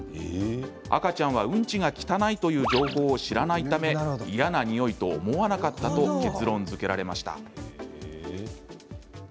赤ちゃんは、うんちが汚いという情報を知らないため嫌な匂いと思わなかったと結論づけられました。